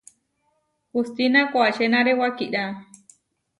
Hustína koačénare wakirá.